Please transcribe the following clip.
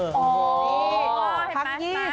อ๋อเห็นมั้ย